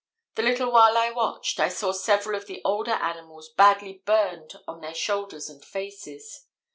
The little while I watched, I saw several of the older animals badly burned on their shoulders and faces.